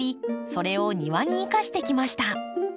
それを庭に生かしてきました。